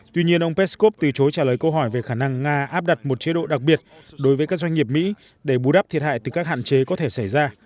tuy nhiên ông peskov từ chối trả lời câu hỏi về khả năng nga áp đặt một chế độ đặc biệt đối với các doanh nghiệp mỹ để bù đắp thiệt hại từ các hạn chế có thể xảy ra